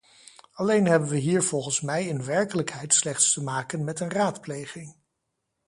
Alleen hebben we hier volgens mij in werkelijkheid slechts te maken met een raadpleging.